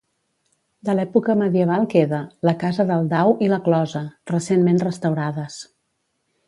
De l'època medieval queda: la Casa del Dau i la closa, recentment restaurades.